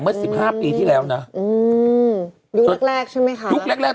เมื่อสิบห้าปีที่แล้วน่ะอืมยุคแรกใช่ไหมคะยุคแรก